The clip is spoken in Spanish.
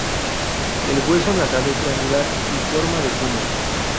El hueso nasal es triangular y forma de cuña.